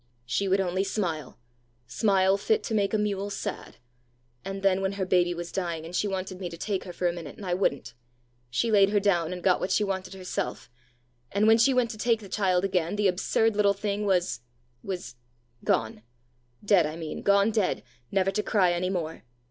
She would only smile smile fit to make a mule sad! And then when her baby was dying, and she wanted me to take her for a minute, and I wouldn't! She laid her down, and got what she wanted herself, and when she went to take the child again, the absurd little thing was was gone dead, I mean gone dead, never to cry any more!